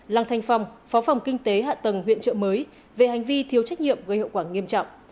lăng thanh phong phó phòng kinh tế hạ tầng huyện trợ mới về hành vi thiếu trách nhiệm gây hậu quả nghiêm trọng